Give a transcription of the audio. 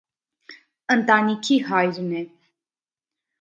Ընտանիքի հայրն է։